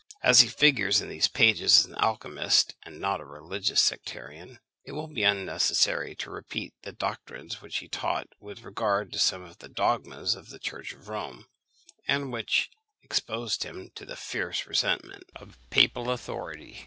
As he figures in these pages as an alchymist, and not as a religious sectarian, it will be unnecessary to repeat the doctrines which he taught with regard to some of the dogmas of the Church of Rome, and which exposed him to the fierce resentment of the papal authority.